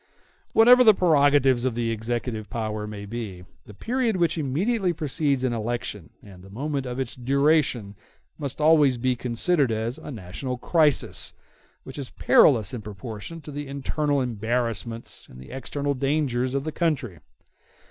Whatever the prerogatives of the executive power may be, the period which immediately precedes an election and the moment of its duration must always be considered as a national crisis, which is perilous in proportion to the internal embarrassments and the external dangers of the country.